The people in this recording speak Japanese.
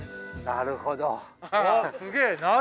なるほど。